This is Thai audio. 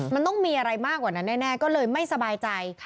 มันต้องมีอะไรมากกว่านั้นแน่ก็เลยไม่สบายใจ